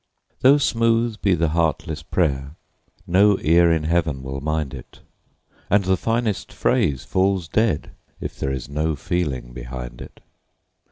Though smooth be the heartless prayer, no ear in Heaven will mind it, And the finest phrase falls dead if there is no feeling behind it.